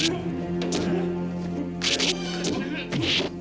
aku akan menang